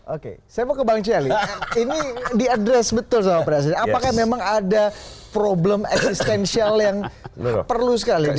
oke saya mau ke bang celi ini diadres betul sama presiden apakah memang ada problem eksistensial yang perlu sekali